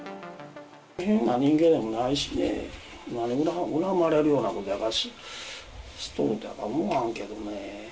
変な人間でもないしね、恨まれるようなことしとるとか思わんけどね。